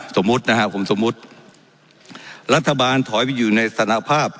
สมมุตินะฮะผมสมมุติรัฐบาลถอยไปอยู่ในสถานภาพ